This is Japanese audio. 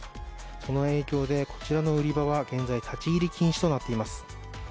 その影響でこちらの売り場は現在立ち入り禁止となっています。